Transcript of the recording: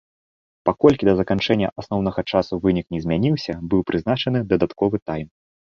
Паколькі да заканчэння асноўнага часу вынік не змяніўся, быў прызначаны дадатковы тайм.